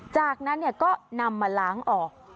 จากนั้นก็นำมาล้างออก